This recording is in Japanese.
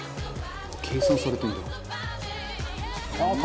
「計算されてるんだ」